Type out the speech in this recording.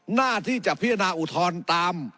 หน้าที่จะพิจารณาอุทธรณ์ตาม